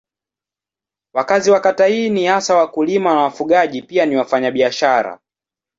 Wakazi wa kata hii ni hasa wakulima na wafugaji pia ni wafanyabiashara.